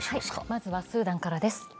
まずはスーダンからです。